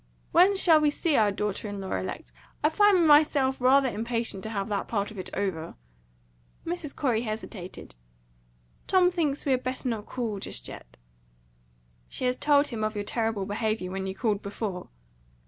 "When shall we see our daughter in law elect? I find myself rather impatient to have that part of it over." Mrs. Corey hesitated. "Tom thinks we had better not call, just yet." "She has told him of your terrible behaviour when you called before?"